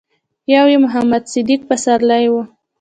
يو يې محمد صديق پسرلی و.